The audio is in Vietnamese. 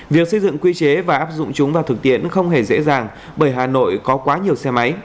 việc xây dựng quy chế và áp dụng chúng vào thực tiễn không hề dễ dàng bởi hà nội có quá nhiều xe máy